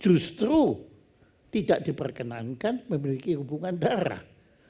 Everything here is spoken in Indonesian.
justru tidak diperkenankan memiliki hubungan darah